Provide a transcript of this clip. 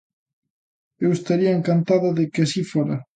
¡Eu estaría encantada de que así fora!